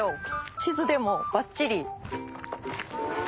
地図でもばっちり。